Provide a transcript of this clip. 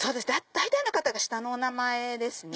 大体の方が下のお名前ですね。